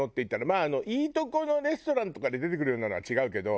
まあいいとこのレストランとかで出てくるようなのは違うけど。